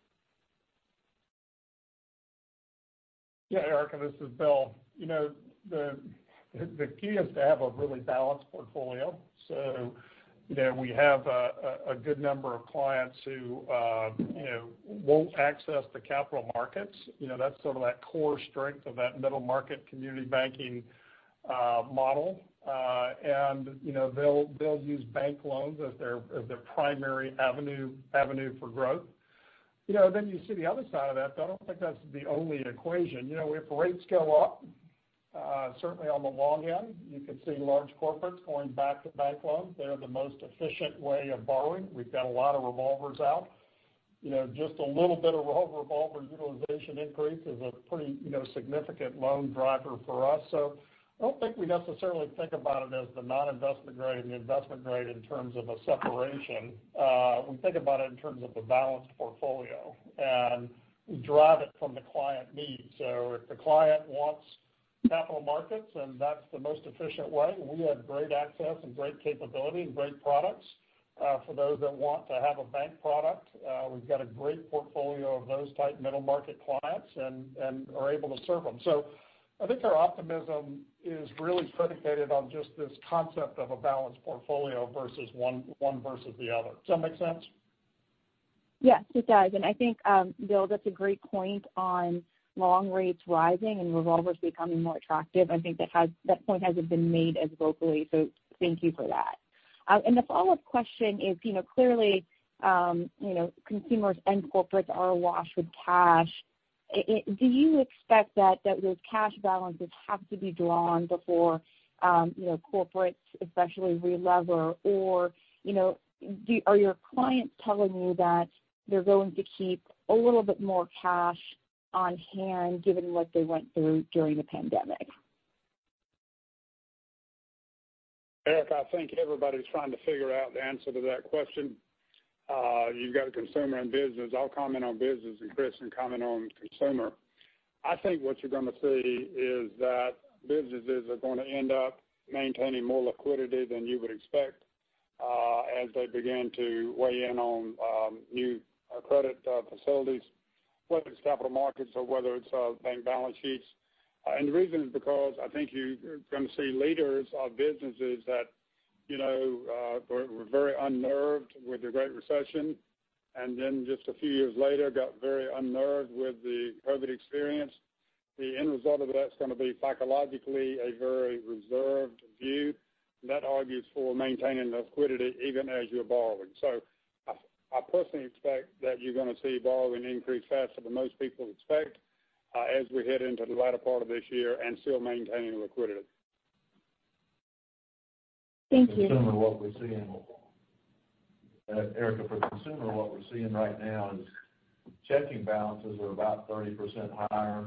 Erika, this is Bill. The key is to have a really balanced portfolio. We have a good number of clients who won't access the capital markets. That's sort of that core strength of that middle-market community banking model. They'll use bank loans as their primary avenue for growth. You see the other side of that, though. I don't think that's the only equation. If rates go up, certainly on the long end, you could see large corporates going back to bank loans. They're the most efficient way of borrowing. We've got a lot of revolvers out. Just a little bit of revolver utilization increase is a pretty significant loan driver for us. I don't think we necessarily think about it as the non-investment grade and the investment grade in terms of a separation. We think about it in terms of the balanced portfolio and derive it from the client needs. If the client wants capital markets and that's the most efficient way, we have great access and great capability and great products. For those that want to have a bank product, we've got a great portfolio of those type middle-market clients and are able to serve them. I think our optimism is really predicated on just this concept of a balanced portfolio versus one versus the other. Does that make sense? Yes, it does. I think, Bill, that's a great point on long rates rising and revolvers becoming more attractive. I think that point hasn't been made as vocally, so thank you for that. The follow-up question is, clearly, consumers and corporates are awash with cash. Do you expect that those cash balances have to be drawn before corporates especially relever? Or are your clients telling you that they're going to keep a little bit more cash on hand given what they went through during the pandemic? Erika, I think everybody's trying to figure out the answer to that question. You've got consumer and business. I'll comment on business, and Chris can comment on consumer. I think what you're going to see is that businesses are going to end up maintaining more liquidity than you would expect as they begin to weigh in on new credit facilities, whether it's capital markets or whether it's bank balance sheets. The reason is because I think you're going to see leaders of businesses that were very unnerved with the Great Recession, and then just a few years later, got very unnerved with the COVID experience. The end result of that's going to be psychologically a very reserved view. That argues for maintaining liquidity even as you're borrowing. I personally expect that you're going to see borrowing increase faster than most people expect as we head into the latter part of this year and still maintaining liquidity. Thank you. Erika, for consumer, what we're seeing right now is checking balances are about 30% higher,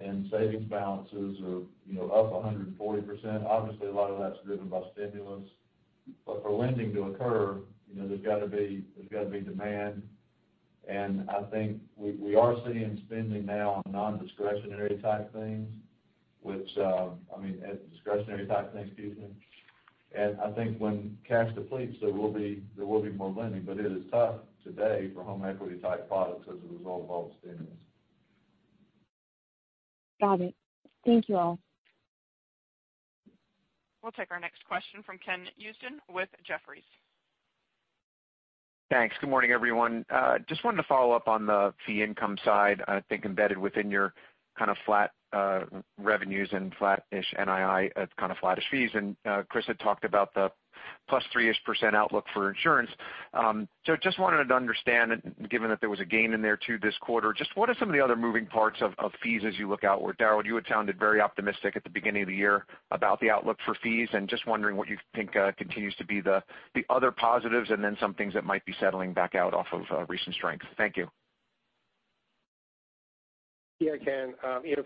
and savings balances are up 140%. Obviously, a lot of that's driven by stimulus. For lending to occur, there's got to be demand, and I think we are seeing spending now on nondiscretionary type things. I mean, discretionary type things, excuse me. I think when cash depletes, there will be more lending. It is tough today for home equity type products as a result of all the stimulus. Got it. Thank you all. We'll take our next question from Ken Usdin with Jefferies. Thanks. Good morning, everyone. Just wanted to follow up on the fee income side. I think embedded within your kind of flat revenues and flat-ish NII at kind of flattish fees. Chris had talked about the +3%-ish outlook for insurance. Just wanted to understand, given that there was a gain in there, too, this quarter, just what are some of the other moving parts of fees as you look outward? Daryl, you had sounded very optimistic at the beginning of the year about the outlook for fees, and just wondering what you think continues to be the other positives and then some things that might be settling back out off of recent strength. Thank you. Ken.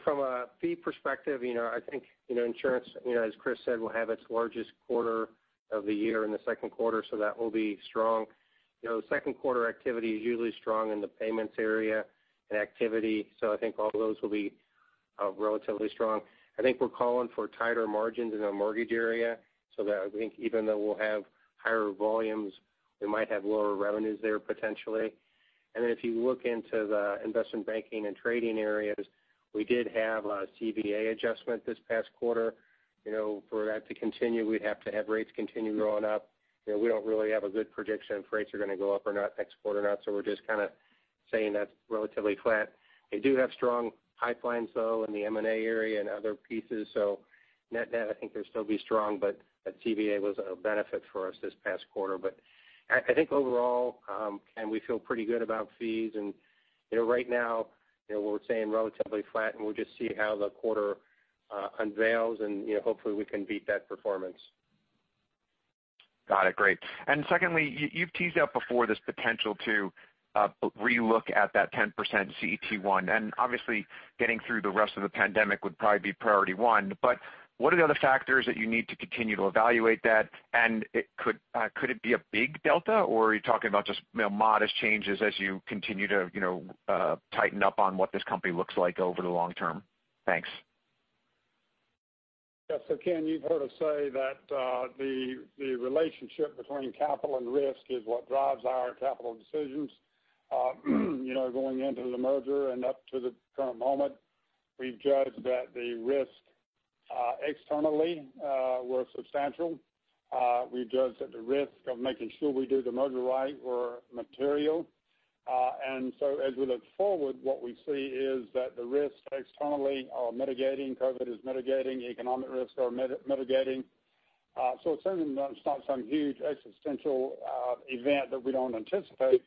From a fee perspective, I think insurance, as Chris said, will have its largest quarter of the year in the second quarter, so that will be strong. Second quarter activity is usually strong in the payments area and activity, so I think all those will be relatively strong. I think we're calling for tighter margins in the mortgage area, so that I think even though we'll have higher volumes, we might have lower revenues there potentially. If you look into the investment banking and trading areas, we did have a CVA adjustment this past quarter. For that to continue, we'd have to have rates continue going up. We don't really have a good prediction if rates are going to go up or not next quarter or not. We're just kind of saying that's relatively flat. They do have strong pipelines, though, in the M&A area and other pieces. Net-net, I think they'll still be strong, but that CVA was a benefit for us this past quarter. I think overall, Ken, we feel pretty good about fees. Right now, we're saying relatively flat, and we'll just see how the quarter unveils and hopefully we can beat that performance. Got it. Great. Secondly, you've teased out before this potential to re-look at that 10% CET1. Obviously getting through the rest of the pandemic would probably be priority 1, but what are the other factors that you need to continue to evaluate that? Could it be a big delta, or are you talking about just modest changes as you continue to tighten up on what this company looks like over the long term? Thanks. Yeah. Ken, you've heard us say that the relationship between capital and risk is what drives our capital decisions. Going into the merger and up to the current moment, we've judged that the risk externally was substantial. We judged that the risk of making sure we do the merger right were material. As we look forward, what we see is that the risks externally are mitigating. COVID is mitigating. Economic risks are mitigating. It's certainly not some huge existential event that we don't anticipate.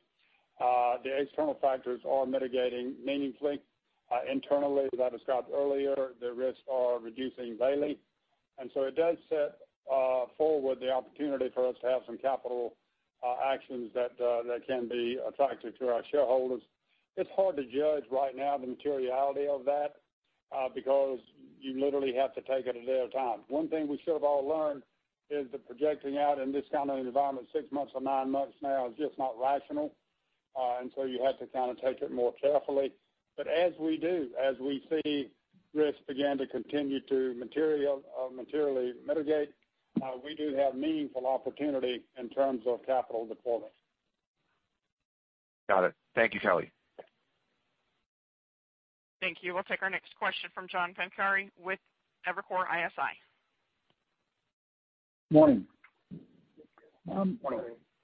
The external factors are mitigating meaningfully. Internally, as I described earlier, the risks are reducing daily. It does set forward the opportunity for us to have some capital actions that can be attractive to our shareholders. It's hard to judge right now the materiality of that because you literally have to take it a day at a time. One thing we should've all learned is that projecting out in this kind of environment six months or nine months now is just not rational. You have to kind of take it more carefully. As we do, as we see risks begin to continue to materially mitigate, we do have meaningful opportunity in terms of capital deployment. Got it. Thank you, Kelly. Thank you. We'll take our next question from John Pancari with Evercore ISI. Morning. Morning.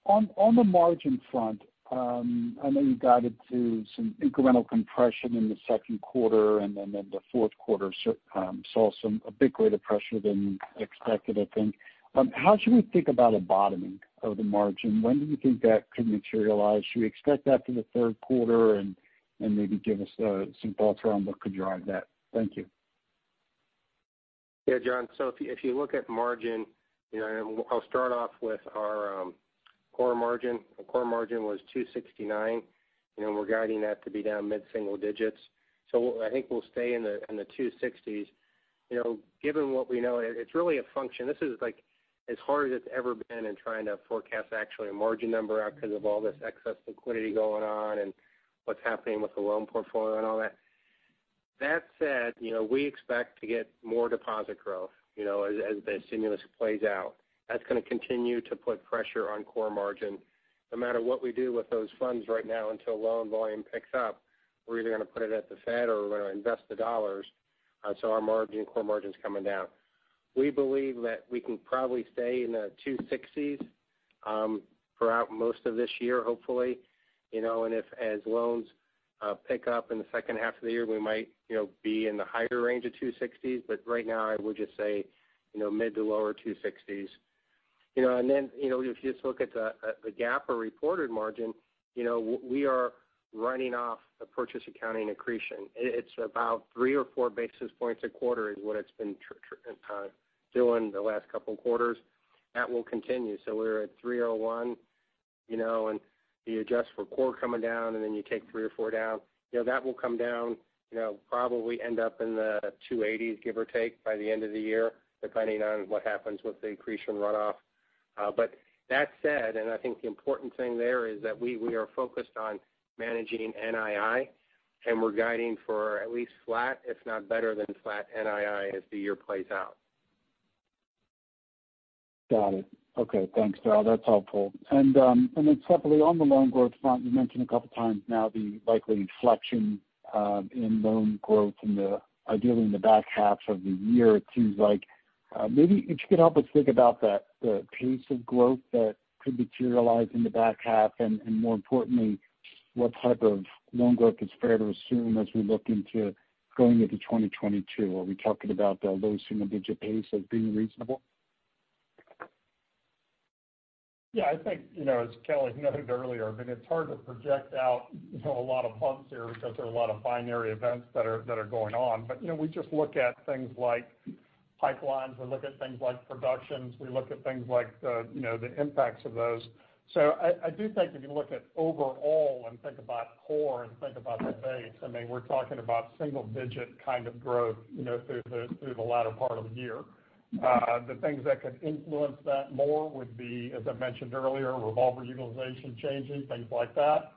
On the margin front, I know you guided to some incremental compression in the second quarter, and then the fourth quarter saw a bit greater pressure than expected, I think. How should we think about a bottoming of the margin? When do you think that could materialize? Should we expect that for the third quarter? Maybe give us some thoughts around what could drive that. Thank you. Yeah, John. If you look at margin, I'll start off with our core margin. Our core margin was 269, we're guiding that to be down mid-single digits. I think we'll stay in the 260s. Given what we know, it's really a function. This is as hard as it's ever been in trying to forecast actually a margin number out because of all this excess liquidity going on and what's happening with the loan portfolio and all that. That said, we expect to get more deposit growth as the stimulus plays out. That's going to continue to put pressure on core margin. No matter what we do with those funds right now until loan volume picks up, we're either going to put it at the Fed or we're going to invest the dollars. Our core margin's coming down. We believe that we can probably stay in the 260s throughout most of this year, hopefully. If as loans pick up in the second half of the year, we might be in the higher range of 260s. Right now, I would just say mid to lower 260s. If you just look at the GAAP or reported margin, we are running off a purchase accounting accretion. It's about 3 or 4 basis points a quarter is what it's been doing the last couple of quarters. That will continue. We're at 301, and you adjust for core coming down, and then you take three or four down. That will come down, probably end up in the 280s, give or take, by the end of the year, depending on what happens with the accretion runoff. That said, and I think the important thing there is that we are focused on managing NII, and we're guiding for at least flat, if not better than flat NII as the year plays out. Got it. Okay. Thanks, Daryl. That's helpful. Separately, on the loan growth front, you mentioned a couple of times now the likely inflection in loan growth ideally in the back half of the year, it seems like. Maybe if you could help us think about the pace of growth that could materialize in the back half, and more importantly, what type of loan growth is fair to assume as we look into going into 2022? Are we talking about the low single-digit pace as being reasonable? Yeah, I think as Kelly noted earlier, I mean, it's hard to project out a lot of months here because there are a lot of binary events that are going on. We just look at things like pipelines. We look at things like productions. We look at things like the impacts of those. I do think if you look at overall and think about core and think about the base, I mean, we're talking about single digit kind of growth through the latter part of the year. The things that could influence that more would be, as I mentioned earlier, revolver utilization changes, things like that.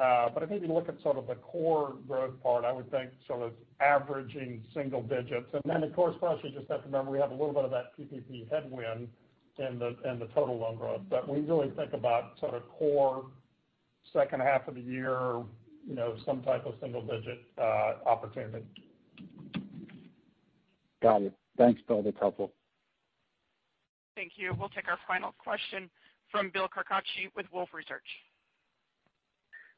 If you look at sort of the core growth part, I would think sort of averaging single digits. Then of course, plus you just have to remember, we have a little bit of that PPP headwind in the total loan growth. We really think about sort of core second half of the year, some type of single-digit opportunity. Got it. Thanks, Bill. That's helpful. Thank you. We'll take our final question from Bill Carcache with Wolfe Research.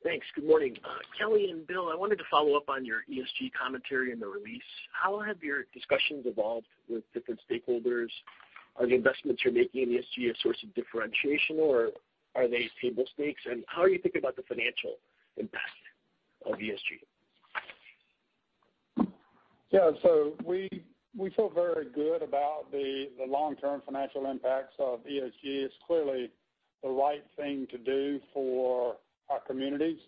Thanks. Good morning. Kelly and Bill, I wanted to follow up on your ESG commentary in the release. How have your discussions evolved with different stakeholders? Are the investments you're making in ESG a source of differentiation, or are they table stakes? How are you thinking about the financial impact? Of ESG. Yeah. We feel very good about the long-term financial impacts of ESG. It's clearly the right thing to do for our communities,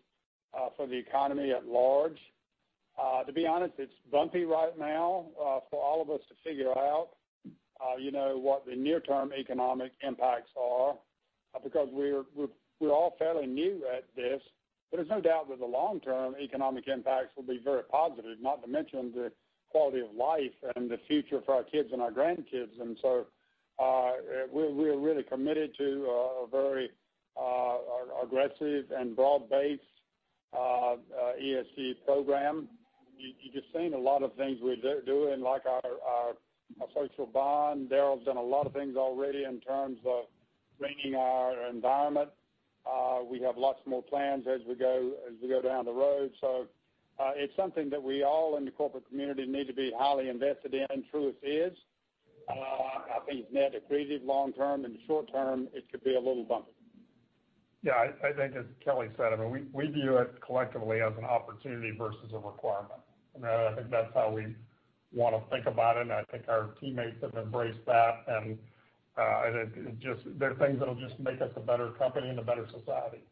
for the economy at large. To be honest, it's bumpy right now for all of us to figure out what the near-term economic impacts are, because we're all fairly new at this. There's no doubt that the long-term economic impacts will be very positive, not to mention the quality of life and the future for our kids and our grandkids. We're really committed to a very aggressive and broad-based ESG program. You're just seeing a lot of things we're doing, like our social bond. Daryl's done a lot of things already in terms of greening our environment. We have lots more plans as we go down the road. It's something that we all in the corporate community need to be highly invested in. Truth is, I think it's net accretive long term. In the short term, it could be a little bumpy. Yeah, I think as Kelly said, we view it collectively as an opportunity versus a requirement. I think that's how we want to think about it, and I think our teammates have embraced that. There are things that'll just make us a better company and a better society.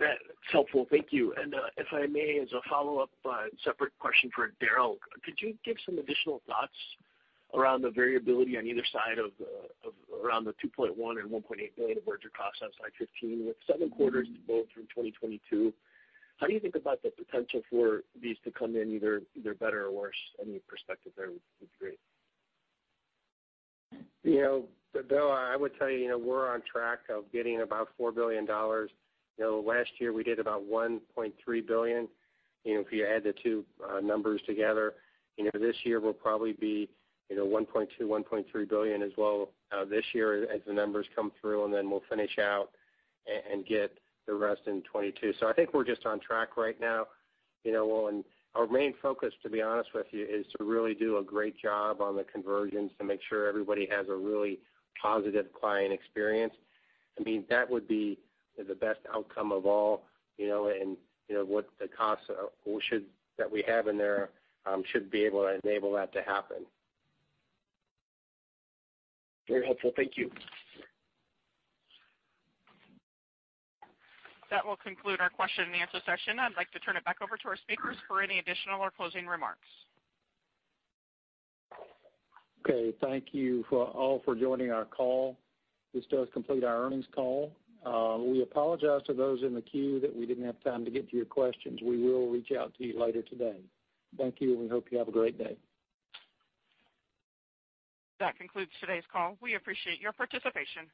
That's helpful. Thank you. If I may, as a follow-up, separate question for Daryl, could you give some additional thoughts around the variability on either side of around the $2.1 billion and $1.8 billion of merger costs on slide 15 with seven quarters to go through 2022? How do you think about the potential for these to come in either better or worse? Any perspective there would be great. Bill, I would tell you, we're on track of getting about $4 billion. Last year, we did about $1.3 billion. If you add the two numbers together, this year will probably be $1.2, $1.3 billion as well this year as the numbers come through, and then we'll finish out and get the rest in 2022. I think we're just on track right now. Our main focus, to be honest with you, is to really do a great job on the convergence to make sure everybody has a really positive client experience. That would be the best outcome of all, and the costs that we have in there should be able to enable that to happen. Very helpful. Thank you. That will conclude our question and answer session. I'd like to turn it back over to our speakers for any additional or closing remarks. Okay. Thank you all for joining our call. This does complete our earnings call. We apologize to those in the queue that we didn't have time to get to your questions. We will reach out to you later today. Thank you. We hope you have a great day. That concludes today's call. We appreciate your participation.